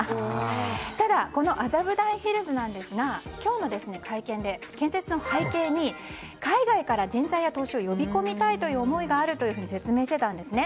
ただ、この麻布台ヒルズですが今日の会見で建設の背景に、海外から人材や投資を呼び込みたい思いがあると説明していたんですね。